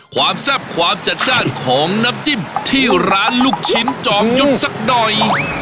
แซ่บความจัดจ้านของน้ำจิ้มที่ร้านลูกชิ้นจอมจุ้งสักหน่อย